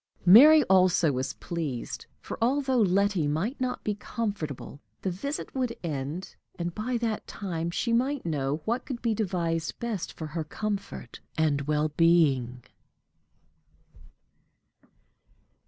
Mary also was pleased; for, although Letty might not be comfortable, the visit would end, and by that time she might know what could be devised best for her comfort and well being.